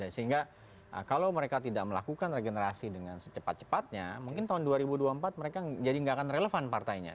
sehingga kalau mereka tidak melakukan regenerasi dengan secepat cepatnya mungkin tahun dua ribu dua puluh empat mereka jadi nggak akan relevan partainya